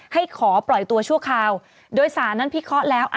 ขอปล่อยตัวชั่วคราวโดยสารนั้นพิเคราะห์แล้ว